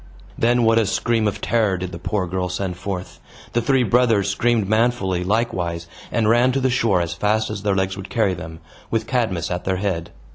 Then what a scream of terror did the poor child send forth! The three brothers screamed manfully, likewise, and ran to the shore as fast as their legs would carry them, with Cadmus at their head.